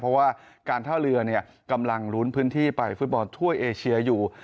เพราะว่าการท่าเรือกำลังลุ้นพื้นที่ไปฟุตบอลทั่วเอเชียอยู่